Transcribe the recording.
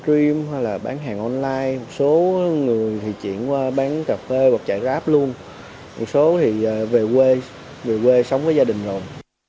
gream hay là bán hàng online một số người thì chuyển qua bán cà phê hoặc chạy grab luôn một số thì về quê về quê sống với gia đình rồi